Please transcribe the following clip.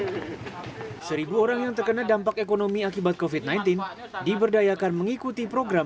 hai seribu orang yang terkena dampak ekonomi akibat kofit sembilan belas diberdayakan mengikuti program